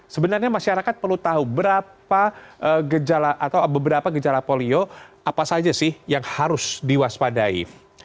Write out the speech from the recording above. sebenarnya masyarakat perlu tahu beberapa gejala polio apa saja sih yang harus diwaspadai